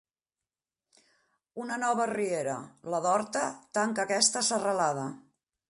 Una nova riera, la d'Horta, tanca aquesta serralada.